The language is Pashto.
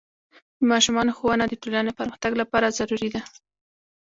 د ماشومانو ښوونه د ټولنې پرمختګ لپاره ضروري ده.